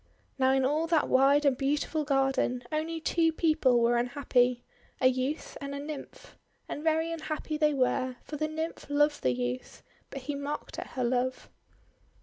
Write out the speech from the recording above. Now in all that wide and beautiful garden only two people were unhappy, — a youth and a Nymph. And very unhappy they were, for the Nymph loved the youth, but he mocked at her love.